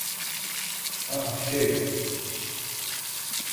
Ah, şey…